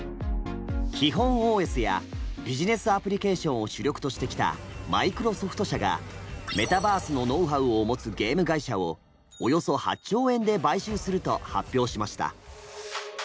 基本ＯＳやビジネスアプリケーションを主力としてきたマイクロソフト社がメタバースのノウハウを持つゲーム会社をおよそ８兆円で買収すると発表しました。